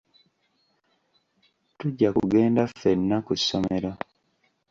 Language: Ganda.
Tujja kugenda ffenna ku ssomero.